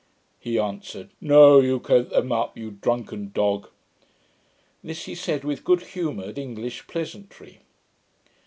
He answered, 'No, you kept them up, you drunken dog.' This he said with good humoured English pleasantry.